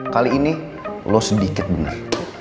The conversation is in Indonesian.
kali ini lo sedikit benar